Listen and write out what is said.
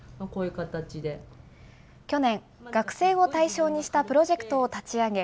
去年、学生を対象にしたプロジェクトを立ち上げ